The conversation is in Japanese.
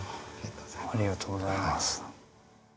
ありがとうございます。